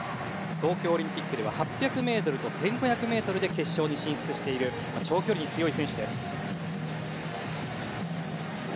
東京オリンピックでは８００ｍと１５００ｍで決勝に進出している長距離に強い選手です。